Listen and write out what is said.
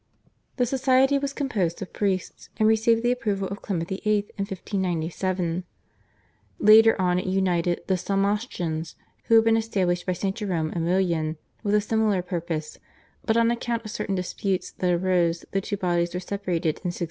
The society was composed of priests, and received the approval of Clement VIII. in 1597. Later on it united with the Somaschans, who had been established by St. Jerome Aemilian with a similar purpose, but on account of certain disputes that arose the two bodies were separated in 1647.